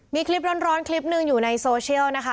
มีคลิปร้อนคลิปหนึ่งอยู่ในโซเชียลนะคะ